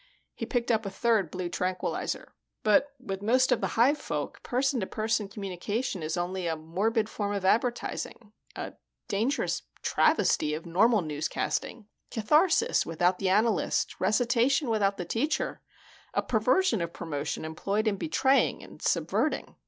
He picked up a third blue tranquilizer. "But with most of the hive folk, person to person communication is only a morbid form of advertising, a dangerous travesty of normal newscasting catharsis without the analyst, recitation without the teacher a perversion of promotion employed in betraying and subverting."